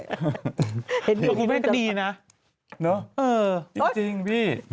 เห็นอยู่นี่ก็ดีนะเออจริงพี่